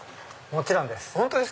もちろんです。